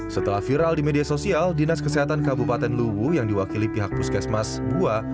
setelah viral di media sosial dinas kesehatan kabupaten luwu yang diwakili pihak puskesmas bua